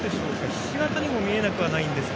ひし形にも見えなくはないんですが。